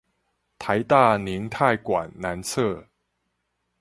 臺大凝態館南側